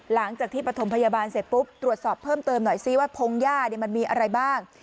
ปฐมพยาบาลเสร็จปุ๊บตรวจสอบเพิ่มเติมหน่อยซิว่าพงหญ้ามันมีอะไรบ้าง